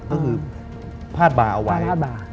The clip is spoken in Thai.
ก็คือผ้าบาเอาไว้